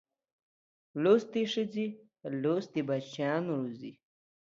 لوستې ښځې لوستي بچیان روزي